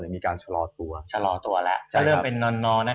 มีการชะลอตัวชะลอตัวแล้วใช่ครับแล้วเริ่มเป็นนอนนอนนะครับ